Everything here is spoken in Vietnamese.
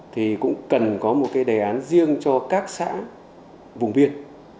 thì cũng cần có một cái đề án riêng cho các xã vùng biên